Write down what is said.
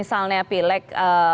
untuk misalnya pileg